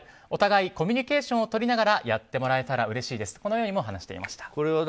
お互いコミュニケーションをとりながらやってもらえたらうれしいですとこのようにも話していました。